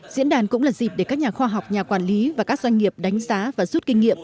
diễn đàn cũng là dịp để các nhà khoa học nhà quản lý và các doanh nghiệp đánh giá và rút kinh nghiệm